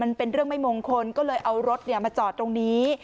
มันเป็นเรื่องไม่มงคลก็เลยเอารถมาจอดตรงนี้